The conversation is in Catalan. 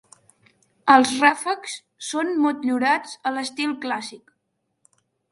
Els ràfecs són motllurats a l'estil clàssic.